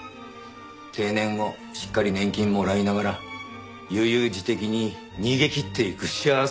定年後しっかり年金もらいながら悠々自適に逃げ切っていく幸せな世代だよ。